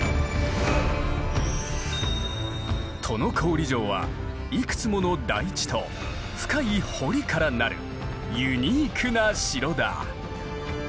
都於郡城はいくつもの台地と深い堀から成るユニークな城だ。